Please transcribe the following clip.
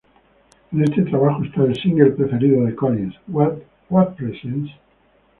En este trabajo está el "single" preferido de Collins, "What Presence?!".